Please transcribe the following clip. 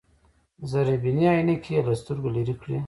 ذره بيني عينکې يې له سترګو لرې کړې.